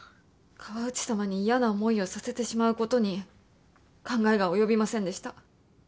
河内様に嫌な思いをさせてしまうことに考えが及びませんでした。